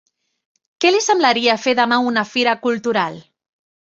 Què li semblaria fer demà una fira cultural?